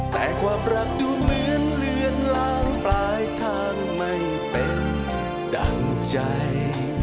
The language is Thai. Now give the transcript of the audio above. แต่ความรักดูเหมือนเลือนล้างปลายทางไม่เป็นดั่งใจ